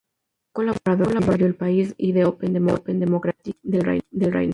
Fue colaborador del diario "El País" y de "Open Democracy" del Reino Unido.